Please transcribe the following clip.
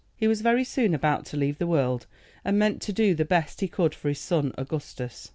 He was very soon about to leave the world, and meant to do the best he could for his son Augustus.